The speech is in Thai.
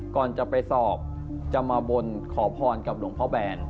ก่อนจะไปสอบจะมาบนขอพรกับหลวงพ่อแบน